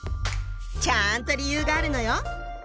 ちゃんと理由があるのよ！